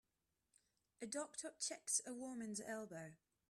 A doctor checks a woman 's elbow.